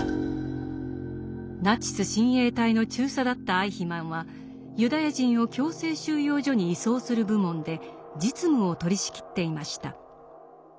ナチス親衛隊の中佐だったアイヒマンはユダヤ人を強制収容所に移送する部門で実務を取りしきっていました。